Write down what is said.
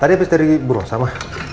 tadi habis dari burung sama